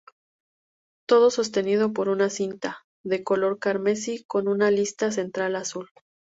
Todo sostenido por una cinta de color carmesí con una lista central azul.